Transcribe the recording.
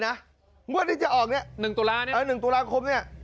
มึงว่านี่จะออกเนี่ย๑ตุลาคมเนี่ย